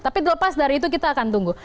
tapi lepas dari itu kita akan tunggu